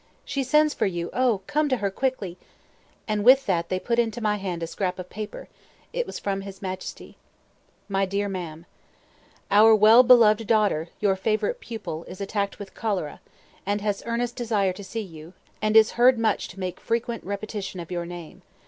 She sends for you. O, come to her, quickly!" and with that they put into my hand a scrap of paper; it was from his Majesty. "MY DEAR MAM, Our well beloved daughter, your favorite pupil, is attacked with cholera, and has earnest desire to see you, and is heard much to make frequent repetition of your name.